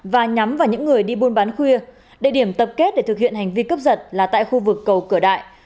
và nhắm vào những người đi buôn bán khuya địa điểm tập kết để thực hiện hành vi cướp giật là tại khu vực cầu cửa đại